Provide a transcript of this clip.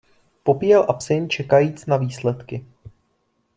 Popíjel absint, čekajíc na výsledky.